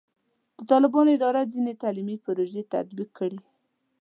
د طالبانو اداره ځینې تعلیمي پروژې تطبیق کړي.